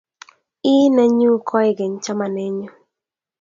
Ii ne nyu koigeny chamanenyu